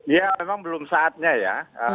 ya memang belum saatnya ya